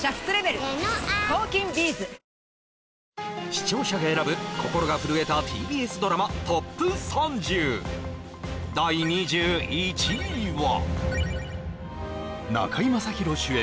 視聴者が選ぶ心が震えたＴＢＳドラマＴＯＰ３０第２１位は中居正広主演